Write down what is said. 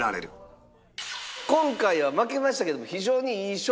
今回は負けましたけども。